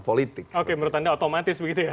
politik oke menurut anda otomatis begitu ya